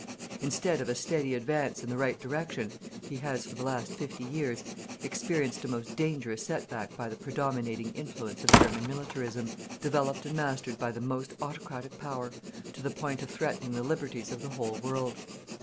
Instead of a steady advance in the right direction, he has, for the last fifty years, experienced a most dangerous set back by the predominating influence of German militarism, developed and mastered by the most autocratic power to the point of threatening the liberties of the whole world.